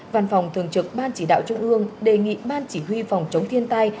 văn phòng thường trực ban chỉ đạo trung ương đề nghị ban chỉ huy phòng chống thiên tai